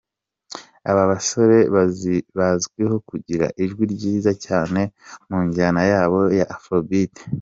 Aba basore bazwiho kugira ijwi ryiza cyane mu njyana yabo ya Afrobeat.